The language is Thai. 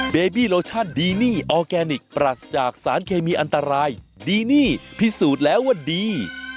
เบบี้โลชั่นดีนี่ออร์แกนิคปรัสจากสารเคมีอันตรายดีนี่พิสูจน์แล้วว่าดี